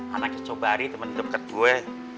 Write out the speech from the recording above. anak kecobari temen deket gue